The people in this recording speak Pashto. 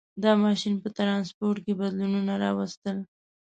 • دا ماشین په ټرانسپورټ کې بدلونونه راوستل.